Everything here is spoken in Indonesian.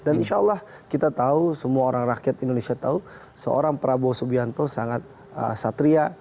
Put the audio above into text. dan insya allah kita tahu semua orang rakyat indonesia tahu seorang prabowo subianto sangat satria